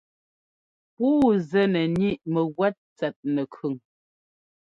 Puu zɛ́ nɛ ŋíʼ mɛ́gúɛ́t tsɛt nɛkʉn.